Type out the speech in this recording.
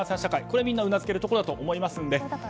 これはみんなうなずけるところだと思いますので。